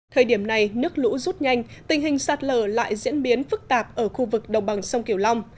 thời điểm này nước lũ rút nhanh tình hình sạt lở lại diễn biến phức tạp ở khu vực đồng bằng sông kiều long